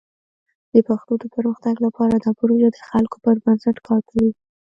د پښتو د پرمختګ لپاره دا پروژه د خلکو پر بنسټ کار کوي.